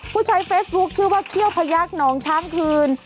ผู้ใช้เฟซบุ๊คชื่อว่าเขี้ยวพยักษ์หนองช้างคืน